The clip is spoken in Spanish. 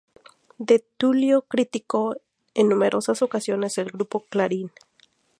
Di Tullio criticó en numerosas ocasiones al Grupo Clarín.